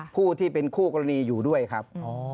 ผู้ที่เป็นคู่กรณีอยู่ด้วยครับ